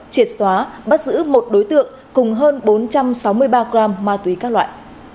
triệt xóa bắt giữ một đối tượng cùng hơn bốn trăm sáu mươi ba gram ma túy các loại